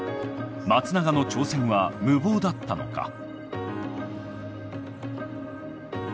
松永の挑戦は無謀だったのか。